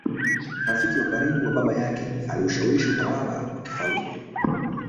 rafiki wa karibu wa Baba yake Aliushawishi utawala wa kifalme